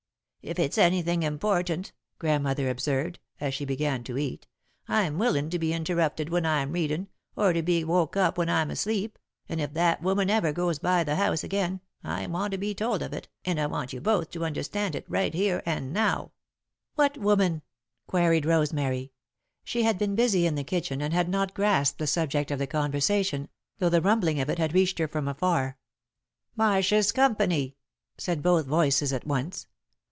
"If it's anything important," Grandmother observed, as she began to eat, "I'm willin' to be interrupted when I'm readin', or to be woke up when I'm asleep, and if that woman ever goes by the house again, I want to be told of it, and I want you both to understand it, right here and now." [Sidenote: Have You Seen Her?] "What woman?" queried Rosemary. She had been busy in the kitchen and had not grasped the subject of the conversation, though the rumbling of it had reached her from afar. "Marshs' company," said both voices at once.